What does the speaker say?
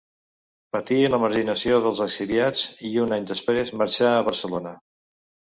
Patí la marginació dels exiliats i un any després marxà a Barcelona.